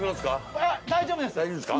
大丈夫ですか？